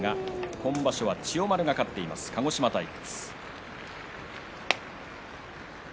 今場所は千代丸が勝っています鹿児島対決。